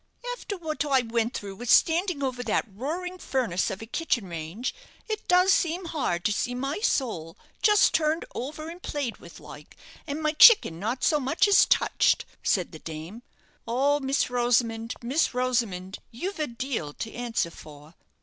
"After what I went through with standing over that roaring furnace of a kitchen range, it does seem hard to see my sole just turned over and played with, like, and my chicking not so much as touched," said the dame. "Oh, Miss Rosamond, Miss Rosamond, you've a deal to answer for!"